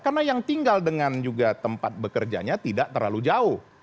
karena yang tinggal dengan juga tempat bekerjanya tidak terlalu jauh